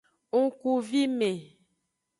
Ngkuvime.